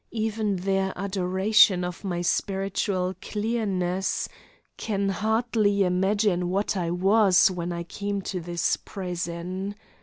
even their adoration of my spiritual clearness, can hardly imagine what I was when I came to this prison.